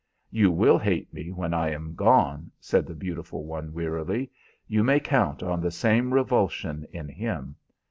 "You will hate me when I am gone," said the beautiful one wearily; "you may count on the same revulsion in him.